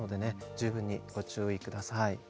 十分にご注意下さい。